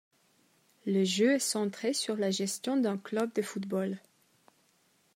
Le jeu est centré sur la gestion d'un club de football.